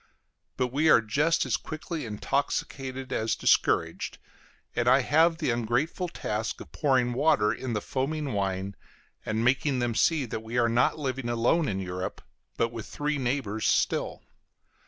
But we are just as quickly intoxicated as discouraged, and I have the ungrateful task of pouring water in the foaming wine, and making them see that we are not living alone in Europe, but with three neighbors still.